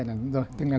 là nguyên liệu